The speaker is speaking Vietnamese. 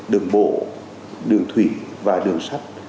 đường bộ đường thủy và đường sắt